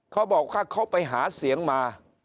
เขาบอกว่าเขาไปหาเสียงมา